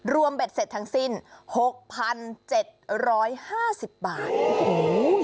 รวมเบ็ดเสร็จทั้งสิ้น๖๗๕๐บาทโอ้โห